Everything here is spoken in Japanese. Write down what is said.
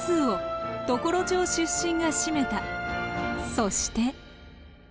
そして。